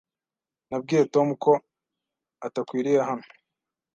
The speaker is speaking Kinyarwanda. Nabwiye Tom ko atakiriwe hano.